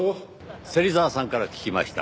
芹沢さんから聞きました。